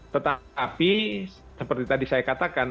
tetapi seperti tadi saya katakan